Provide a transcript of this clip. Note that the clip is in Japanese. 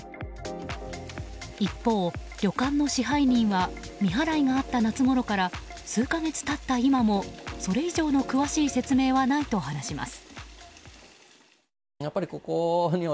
一方、旅館の支配人は未払いがあった夏ごろから数か月経った今もそれ以上の詳しい説明はないと話します。